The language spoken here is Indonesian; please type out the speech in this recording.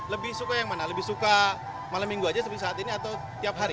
lebih suka yang mana lebih suka malam minggu aja seperti saat ini atau tiap hari